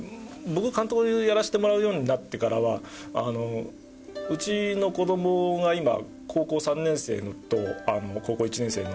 僕監督やらせてもらうようになってからはうちの子どもが今高校３年生と高校１年生の娘がいるんですけど。